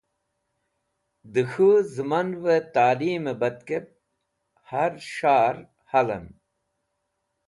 Dẽ k̃hũ zẽmanvẽ talimẽ batkẽb hẽr s̃har halẽm.